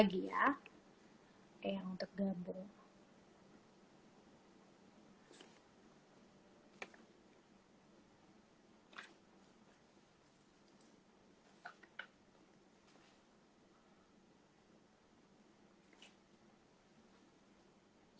bagi yang ingin bergabung bagi yang ingin request lagu lagunya apa aja